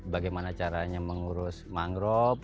bagaimana caranya mengurus mangrove